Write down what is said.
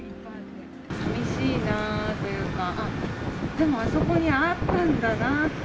さみしいなというか、でもあそこにあったんだなって。